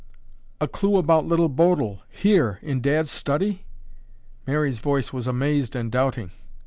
"A clue about Little Bodil here in Dad's study?" Mary's voice was amazed and doubting.